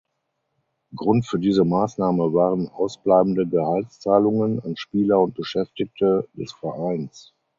Grund für diese Maßnahme waren ausbleibende Gehaltszahlungen an Spieler und Beschäftigte des Vereins.